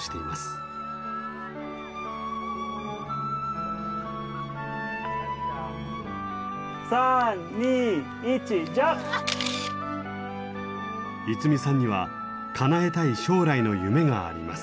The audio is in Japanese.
愛実さんにはかなえたい将来の夢があります。